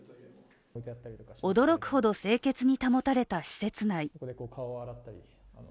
驚くほど清潔に保たれた施設内。